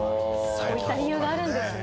そういった理由があるんですね。